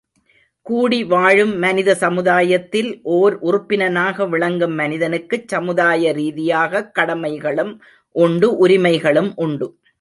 கூடிவாழும் மனித சமுதாயத்தில் ஓர் உறுப்பினனாக விளங்கும் மனிதனுக்குச் சமுதாய ரீதியாகக் கடமைகளும் உண்டு உரிமைகளும் உண்டு.